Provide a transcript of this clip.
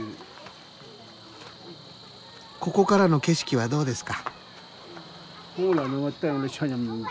ここからの景色はどうですか？